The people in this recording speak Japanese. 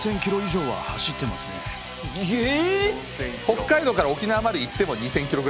北海道から沖縄まで行っても２，０００ｋｍぐらいですからね。